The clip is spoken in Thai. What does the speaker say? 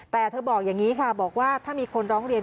แต่เธอบอกอย่างนี้ค่ะบอกว่าถ้ามีคนร้องเรียน